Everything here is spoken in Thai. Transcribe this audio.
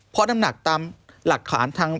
เพราะน้ำหนักตามหลักฐานทาง